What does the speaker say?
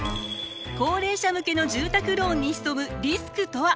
高齢者向けの住宅ローンに潜むリスクとは？